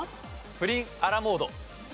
プリンアラモード。